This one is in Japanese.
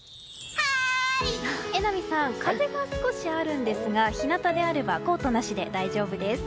榎並さん風が少しあるんですが日なたであればコートなしで大丈夫です。